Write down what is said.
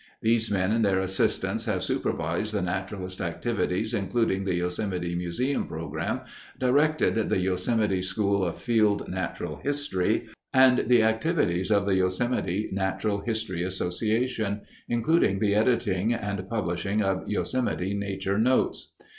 These men and their assistants have supervised the naturalist activities including the Yosemite Museum program, directed the Yosemite School of Field Natural History, and the activities of the Yosemite Natural History Association, including the editing and publishing of Yosemite Nature Notes.